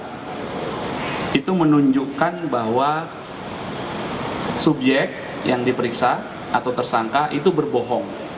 itu menunjukkan bahwa subjek yang diperiksa atau tersangka itu berbohong